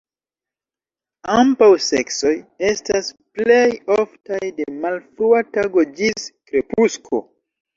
Ambaŭ seksoj estas plej oftaj de malfrua tago ĝis krepusko.